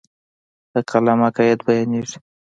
په قلم عقاید بیانېږي.